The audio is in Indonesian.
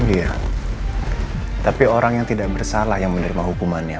iya tapi orang yang tidak bersalah yang menerima hukumannya